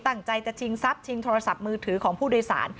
ตั้งใจจะชิงทรัพย์ชิงโทรศัพท์มือถือของผู้โดยสาร